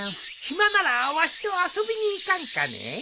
暇ならわしと遊びに行かんかね。